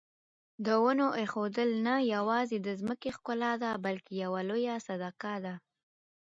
د ونو ایښودل نه یوازې د ځمکې ښکلا ده بلکې یوه لویه صدقه ده.